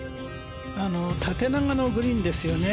縦長のグリーンですよね